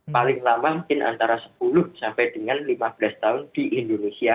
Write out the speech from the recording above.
paling lama mungkin antara sepuluh sampai dengan lima belas tahun di indonesia